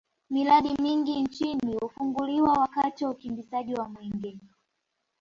miradi mingi nchini hufunguliwa wakati wa ukimbizaji wa mwenge